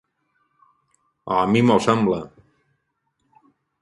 O a mi m'ho sembla.